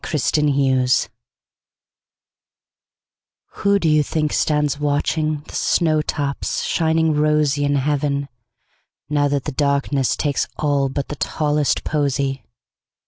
Everlasting Flowers WHO do you think stands watchingThe snow tops shining rosyIn heaven, now that the darknessTakes all but the tallest posy?